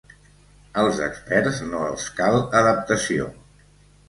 Als experts no els cal adaptació.